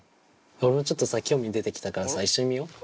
俺もちょっとさ興味出てきたからさ一緒に見よ。